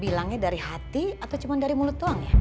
bilangnya dari hati atau cuma dari mulut doang ya